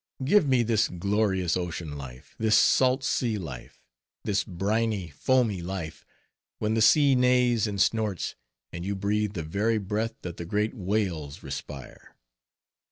give me this glorious ocean life, this salt sea life, this briny, foamy life, when the sea neighs and snorts, and you breathe the very breath that the great whales respire!